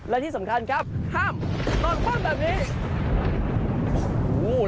และที่สำคัญครับห้ามนอนคว่ำแบบนี้